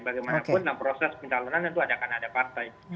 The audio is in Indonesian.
bagaimanapun dalam proses pencalonan tentu ada karena ada partai